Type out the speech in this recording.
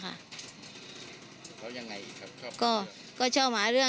เขายังไงครับชอบหาเรื่อง